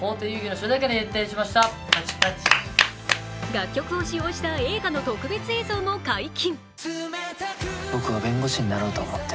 楽曲を使用した映画の特別映像も解禁。